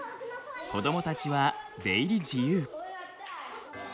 子どもたちは出入り自由。